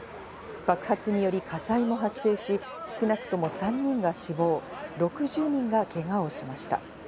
爆発により火災も発生し、少なくとも３人が死亡、６０人がけがをしました。